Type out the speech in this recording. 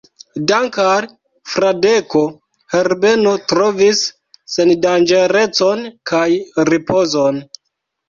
Dank' al Fradeko, Herbeno trovis sendanĝerecon kaj ripozon.